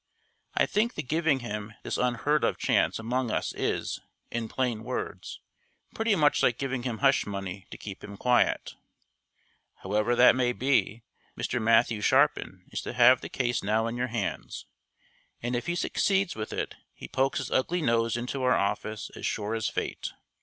I think the giving him this unheard of chance among us is, in plain words, pretty much like giving him hush money to keep him quiet. However that may be, Mr. Matthew Sharpin is to have the case now in your hands, and if he succeeds with it he pokes his ugly nose into our office as sure as fate.